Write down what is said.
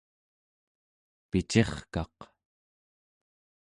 picirkaq